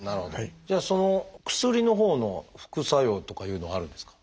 その薬のほうの副作用とかいうのはあるんですか？